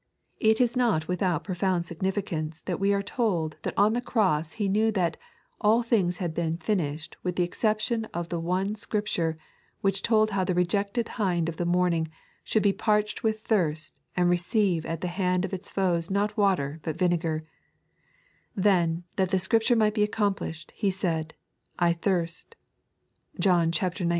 It is not 3.n.iized by Google 50 Christ deb Cohplbtbhbnt of Huhak Life. without profouod significance that we are told that on the Cross He knew that "all things had been fimehed with the exception of the one Scripture, which told how the rejected bind of the morning " should be parched with thirst, and receive at the hand of its foee not water but vinegar ; then " that the Scripture might be accomplished," He said, " I thirst " (John lix.